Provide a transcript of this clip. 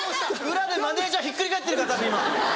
裏でマネジャーひっくり返ってるからたぶん今。